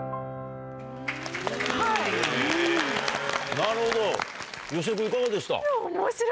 なるほど芳根君いかがでした？